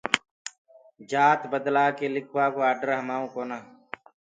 جآت بدلآ ڪي لِکوآ ڪو آڊر همآنٚڪو ڪونآ۔